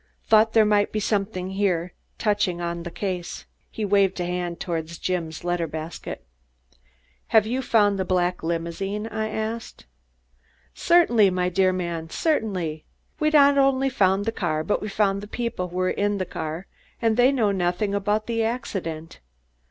Thought there might be something here touching on the case." He waved a hand toward Jim's letter basket. "Have you found the black limousine?" I asked. "Certainly, my dear man, certainly! We've not only found the car, but we found the people who were in the car and they know nothing about the accident.